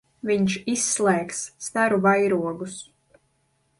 Viņš izslēgs staru vairogus.